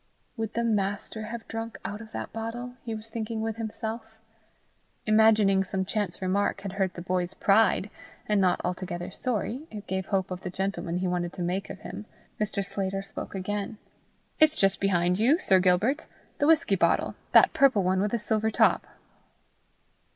Would the Master have drunk out of that bottle? he was thinking with himself. Imagining some chance remark had hurt the boy's pride, and not altogether sorry it gave hope of the gentleman he wanted to make him Mr. Sclater spoke again: "It's just behind you, Sir Gilbert the whisky bottle that purple one with the silver top."